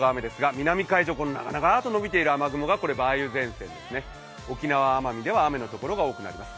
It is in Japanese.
南海上に長々と伸びている雨雲が梅雨前線ですね、沖縄・奄美では雨のところが多くなります。